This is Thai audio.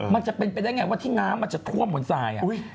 มันจะเป็นเป็นยังไงว่าที่น้ำจะท่วมของทราย